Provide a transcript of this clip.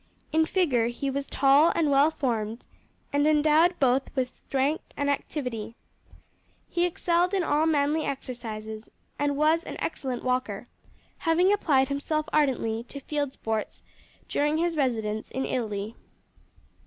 In figure he was tall and well formed, and endowed both with strength and activity. He excelled in all manly exercises, and was an excellent walker, having applied himself ardently to field sports during his residence in Italy.